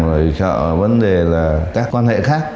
rồi sợ vấn đề là các quan hệ khác